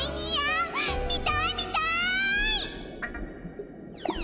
見たい見たい！